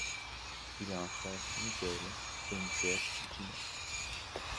Il a un frère, Michael, et une soeur, Gina.